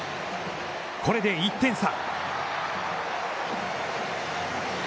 これで１点差。